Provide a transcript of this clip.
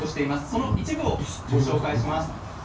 その一部をご紹介します。